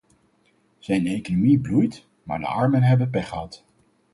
Zijn economie bloeit, maar de armen hebben pech gehad.